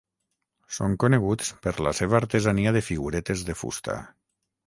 Són coneguts per la seva artesania de figuretes de fusta.